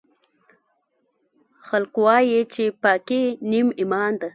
خلکوایي چې پاکۍ نیم ایمان ده